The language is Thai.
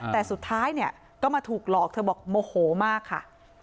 แต่สุดท้ายเนี่ยก็มาถูกหลอกเธอบอกโมโหมากค่ะ